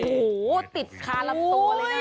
โอ้โหติดคาลำตัวเลยนะ